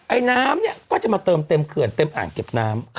ไอน้ำเนี่ยก็จะมาเติมเต็มเขื่อนเต็มอ่างเก็บน้ำ